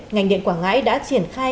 ngành điện quảng ngãi đã triển khai